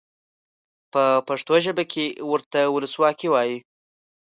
په پښتو ژبه کې ورته ولسواکي وایي.